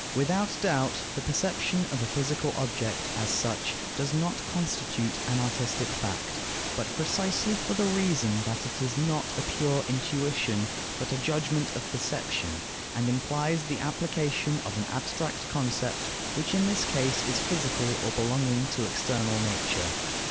Without doubt, the perception of a physical object, as such, does not constitute an artistic fact; but precisely for the reason that it is not a pure intuition, but a judgment of perception, and implies the application of an abstract concept, which in this case is physical or belonging to external nature.